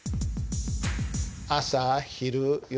「朝」「昼」「夜」